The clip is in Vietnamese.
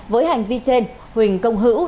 với hành vi trên huỳnh công hữu